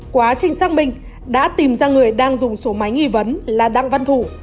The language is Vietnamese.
quá trinh sát minh đã tìm ra người đang dùng số máy nghi vấn là đăng văn thủ